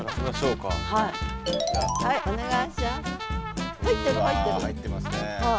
うわ入ってますね。